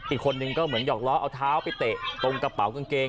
อีกคนนึงก็เหมือนหยอกล้อเอาเท้าไปเตะตรงกระเป๋ากางเกง